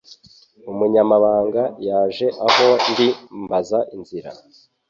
Umunyamahanga yaje aho ndi ambaza inzira.